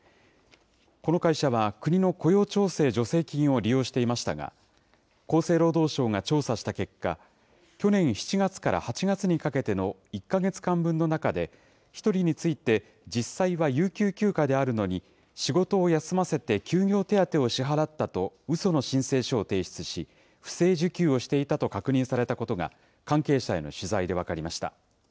この会社は、国の雇用調整助成金を利用していましたが、厚生労働省が調査した結果、去年７月から８月にかけての１か月間分の中で、１人について実際は有給休暇であるのに、仕事を休ませて休業手当を支払ったとうその申請書を提出し、不正受給をしていたと確認されたことが、関係者への取材で分かりました。